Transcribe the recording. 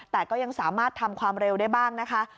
แต่ก็ยังสามารถทำความเร็วได้บ้างนะคะ